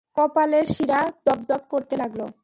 কপালের শিরা দপদপ করতে লাগল।